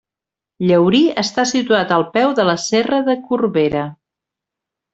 Llaurí està situat al peu de la Serra de Corbera.